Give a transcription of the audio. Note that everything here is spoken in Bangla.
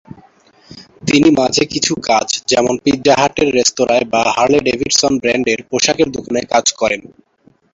তিনি মাঝে কিছু কাজ যেমন পিৎজা হাট রেস্তোরায় বা হারলে-ডেভিডসন ব্র্যান্ডের পোশাকের দোকানে কাজ করেন।